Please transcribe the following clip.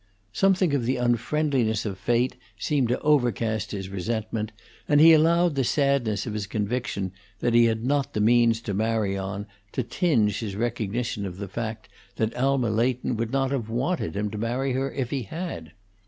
Something of the unfriendliness of fate seemed to overcast his resentment, and he allowed the sadness of his conviction that he had not the means to marry on to tinge his recognition of the fact that Alma Leighton would not have wanted him to marry her if he had.